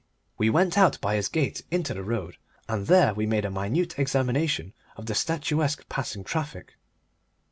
We went out by his gate into the road, and there we made a minute examination of the statuesque passing traffic.